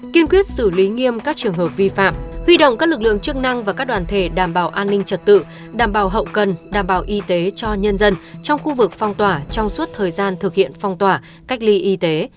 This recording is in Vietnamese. kiên quyết xử lý nghiêm các trường hợp vi phạm huy động các lực lượng chức năng và các đoàn thể đảm bảo an ninh trật tự đảm bảo hậu cần đảm bảo y tế cho nhân dân trong khu vực phong tỏa trong suốt thời gian thực hiện phong tỏa cách ly y tế